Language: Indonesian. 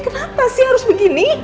kenapa sih harus begini